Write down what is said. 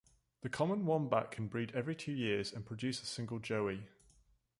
The common wombat can breed every two years and produce a single joey.